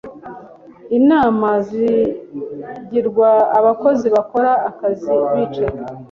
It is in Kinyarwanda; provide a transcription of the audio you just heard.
Inama zigirwa abakozi bakora akazi bicaye